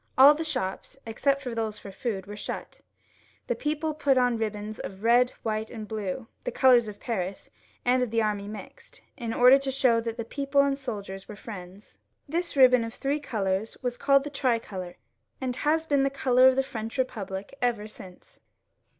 All the shops, except those for food, were shut; the people put on ribbons of red, white, and blue, the old colours of Paris and of the army mixed, in order to show that the people arid soldiers were Mends. This ribbon of three colours was called the tricolor, and has been the colour of the French Bepublic ever since.